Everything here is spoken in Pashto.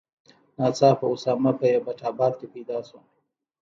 ناڅاپه اسامه په ایبټ آباد کې پیدا شو.